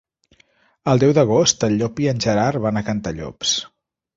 El deu d'agost en Llop i en Gerard van a Cantallops.